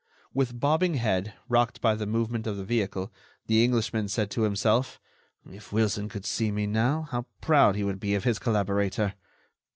With bobbing head, rocked by the movement of the vehicle, the Englishman said to himself: "If Wilson could see me now, how proud he would be of his collaborator!...